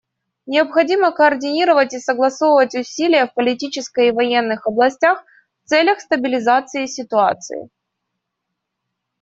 Необходимо координировать и согласовывать усилия в политической и военной областях в целях стабилизации ситуации.